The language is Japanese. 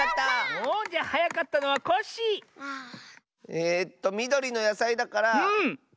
えっとみどりのやさいだからゴーヤ！